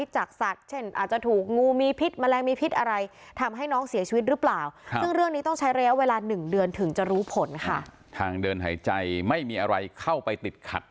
จะรู้ผลค่ะทางเดินหายใจไม่มีอะไรเข้าไปติดขัด